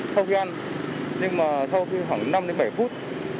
sau khi ăn nhưng mà sau khoảng năm bảy phút